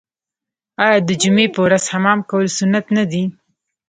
آیا د جمعې په ورځ حمام کول سنت نه دي؟